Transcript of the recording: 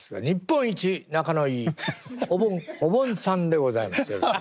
日本一仲のいいおぼん・こぼんさんでございます。